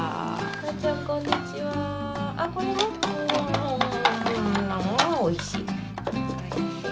あおいしい。